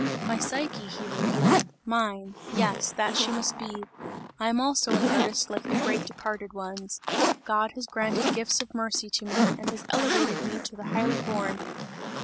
"My Psyche," he repeated, "mine, yes, that she must be! I am also an artist like the great departed ones! God has granted gifts of mercy to me, and has elevated me to the highly born!"